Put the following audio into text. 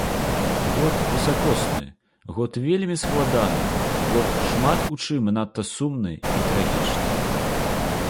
Год высакосны, год вельмі складаны, год шмат у чым надта сумны і трагічны.